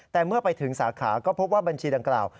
แต่เมื่อไปถึงสาขาก็พบว่าบัญชีดังกล่าว